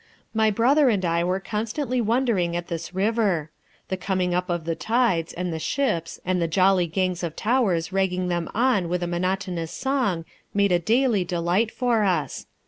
My brother and I were constantly wondering at this river. The coming up of the tides, and the ships, and the jolly gangs of towers ragging them on with a monotonous song made a daily delight for us.